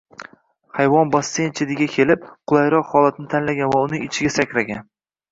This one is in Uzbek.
Hayvon basseyn chetiga kelib, qulayroq holatni tanlagan va uning ichiga sakragan